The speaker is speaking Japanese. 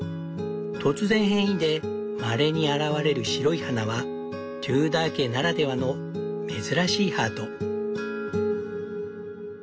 突然変異でまれに現れる白い花はテューダー家ならではの珍しいハート。